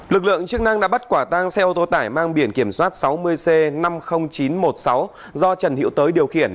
lực lượng chức năng đã bắt quả tang xe ô tô tải mang biển kiểm soát sáu mươi c năm mươi nghìn chín trăm một mươi sáu do trần hiệu tới điều khiển